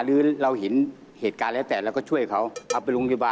หรือเราเห็นเหตุการณ์แล้วแต่เราก็ช่วยเขา